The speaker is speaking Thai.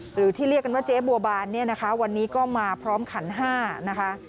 หรือที่เรียกกันว่าเจ๊บัวบานเนี่ยนะคะวันนี้ก็มาพร้อมขันห้านะคะ